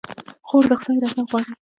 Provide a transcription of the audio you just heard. خور د خدای رضا غواړي.